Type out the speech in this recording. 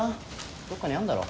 どっかにあんだろ。